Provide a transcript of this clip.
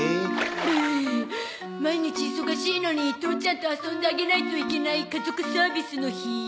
プハー毎日忙しいのに父ちゃんと遊んであげないといけない家族サービスの日。